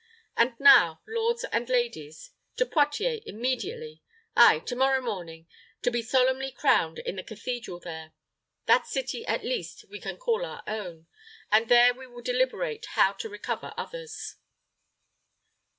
And now, lords and ladies, to Poictiers immediately ay, to morrow morning, to be solemnly crowned in the Cathedral there. That city, at least, we can call our own, and there we will deliberate how to recover others."